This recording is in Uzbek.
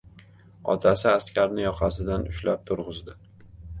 Otasi askarni yoqasidan ushlab turg‘izdi.